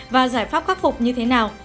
và giải pháp khắc phục như thế nào